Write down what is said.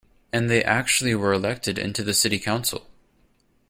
And they actually were elected into the city council.